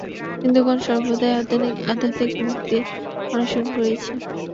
হিন্দুগণ সর্বদাই আধ্যাত্মিক মুক্তি অন্বেষণ করিয়াছে।